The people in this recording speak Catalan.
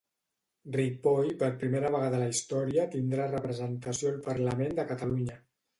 Ripoll per primera vegada a la història tindrà representació al Parlament de Catalunya.